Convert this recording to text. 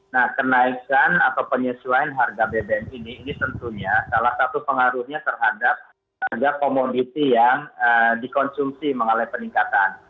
nah kenaikan atau penyesuaian harga bbm ini ini tentunya salah satu pengaruhnya terhadap harga komoditi yang dikonsumsi mengalami peningkatan